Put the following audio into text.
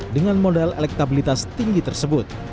dengan modal elektabilitas tinggi tersebut